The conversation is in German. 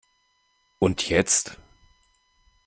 Und jetzt?